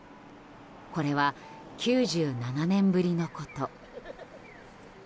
これは９７年ぶりのこと。